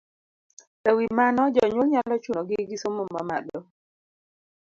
E wi mano, jonyuol nyalo chunogi gi somo mamalo.